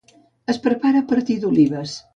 Es prepara a partir d'olives.